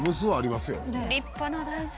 立派な大豆。